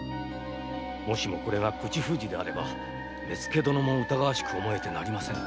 もしもこれが口封じであれば目付殿も疑わしく思えてなりませぬ。